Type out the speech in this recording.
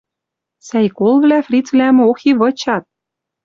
Сӓй колвлӓ фрицвлӓм, ох, и вычат!..